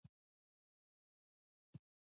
دښمن د کرکې سمبول دی